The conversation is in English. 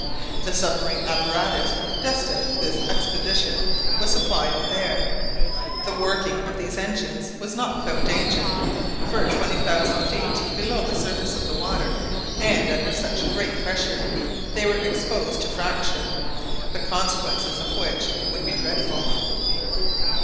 The submarine apparatus destined for this expedition was supplied with air. The working of these engines was not without danger, for at 20,000 feet below the surface of the water, and under such great pressure, they were exposed to fracture, the consequences of which would be dreadful.